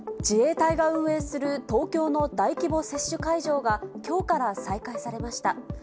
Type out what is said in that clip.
自衛隊が運営する東京の大規模接種会場が、きょうから再開されました。